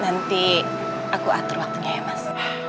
nanti aku atur waktunya ya mas